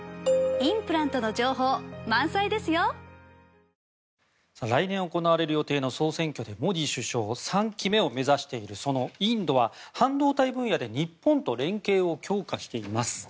東京海上日動来年行われる予定の総選挙でモディ首相３期目を目指しているそのインドは半導体分野で日本と連携を強化しています。